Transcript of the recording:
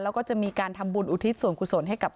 อยากให้ตำรวจให้ผู้ตายด้วยนะครับ